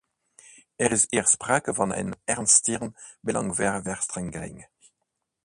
Er is hier sprake van een ernstige belangenverstrengeling.